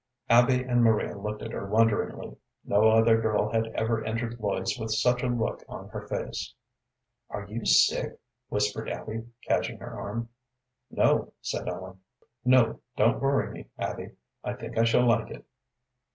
Abby and Maria looked at her wonderingly. No other girl had ever entered Lloyd's with such a look on her face. "Are you sick?" whispered Abby, catching her arm. "No," said Ellen. "No, don't worry me, Abby. I think I shall like it."